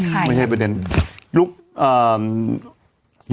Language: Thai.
ก็ไม่รู้เรียกใคร